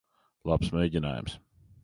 Labs mēģinājums.